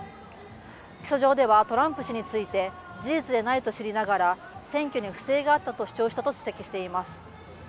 起訴状では、トランプ氏について事実でないと知りながら、選挙に不正があったと主張したと指摘しています。